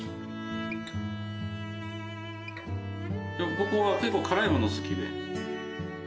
僕は結構辛いもの好きで。